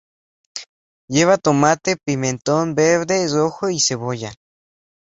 Lleva tomate, pimentón verde, rojo y cebolla.